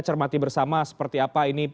cermati bersama seperti apa ini